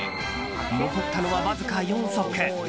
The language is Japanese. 残ったのは、わずか４足。